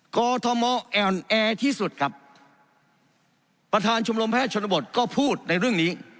กอทมแอ่นแอร์ที่สุดครับประธานชมรมแพทย์ชนบทก็พูดในเรื่องนี้